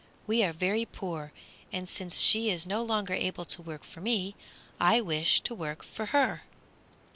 We are very poor, and since she is no longer able to work for me I wish to work for her."